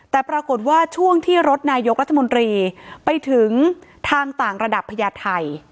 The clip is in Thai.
แต่ปรากฏว่าช่วงที่รถนายกรัฐมนตรีไปถึงทางต่างระดับพญาไทย